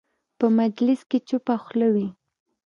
په مجلس کې چوپه خوله وي.